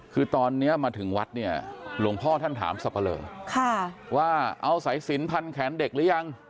คือตอนนี้มาถึงวัดเนี่ยหลวงพ่อท่านถามสับปะเลอว่าเอาสายสินพันแขนเด็กหรือยัง